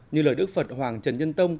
như lời đức phật hoàng trần nhân tông